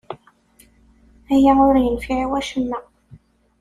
Aya ur yenfiɛ i acemma.